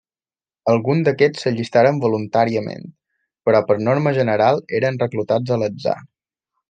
Alguns d'aquests s'allistaren voluntàriament, però per norma general eren reclutats a l'atzar.